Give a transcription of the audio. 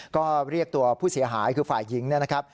ก็เรียกตัวผู้เสียหายคือฝ่ายหญิงนะครับ